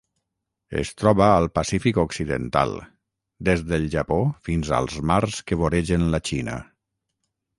Es troba al Pacífic occidental: des del Japó fins als mars que voregen la Xina.